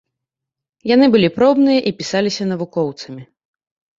Яны былі пробныя і пісаліся навукоўцамі.